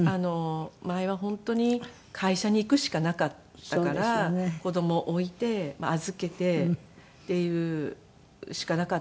前は本当に会社に行くしかなかったから子供を置いて預けてっていうしかなかったんですけど。